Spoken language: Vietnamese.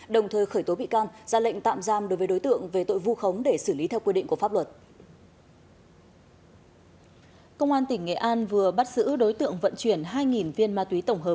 đồng thời khởi tố bị can ra lệnh tạm giam đối với đối tượng về tội vu khống để xử lý theo quy định của pháp luật